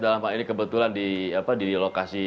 dalam hal ini kebetulan di lokasi